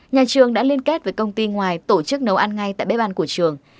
nhà trường đã liên kết với công ty ngoài tổ chức nấu ăn ngay tại bếp ăn của trường